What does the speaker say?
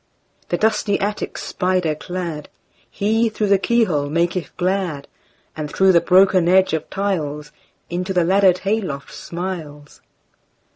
The dusty attic spider cladHe, through the keyhole, maketh glad; And through the broken edge of tiles, Into the laddered hay loft smiles.